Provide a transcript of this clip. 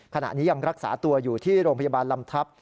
ขณะนี้ยังรักษาตัวอยู่ที่โรงพยาบาลลำทัพ